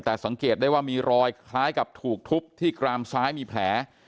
แต่สังเกตได้ว่ามีรอยคล้ายกับถูกทุบที่กรามซ้ายมีแผล